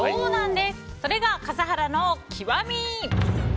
それが笠原の極み！